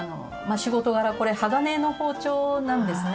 仕事柄これ鋼の包丁なんですね。